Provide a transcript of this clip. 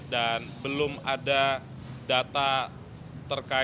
dan belum ada data terkaitnya